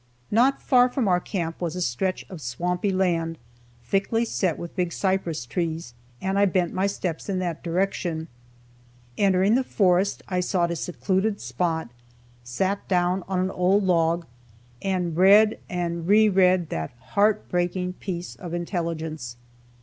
Not far from our camp was a stretch of swampy land, thickly set with big cypress trees, and I bent my steps in that direction. Entering the forest, I sought a secluded spot, sat down on an old log, and read and re read that heart breaking piece of intelligence.